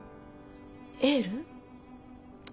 エール？